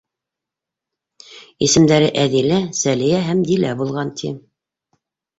—Исемдәре Әҙилә, Сәлиә һәм Дилә булған, ти.